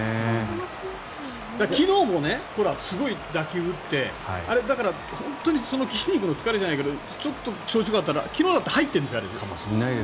昨日もすごい打球を打ってあれ、だから本当に筋肉の疲れじゃないけどちょっと調子がよかったら昨日だって入ってかもしれない。